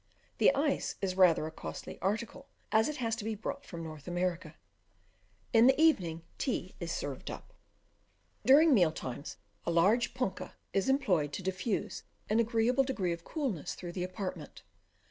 The ice is rather a costly article, as it has to be brought from North America. In the evening, tea is served up. During meal times, a large punkah is employed to diffuse an agreeable degree of coolness through the apartment.